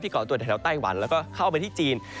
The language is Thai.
เกาะตัวแถวไต้หวันแล้วก็เข้าไปที่จีน